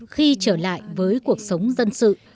khi trở lại với cuộc sống dân sự